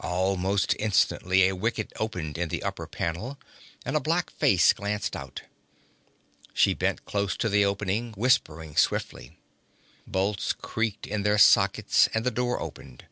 Almost instantly a wicket opened in the upper panel, and a black face glanced out. She bent close to the opening, whispering swiftly. Bolts creaked in their sockets, and the door opened.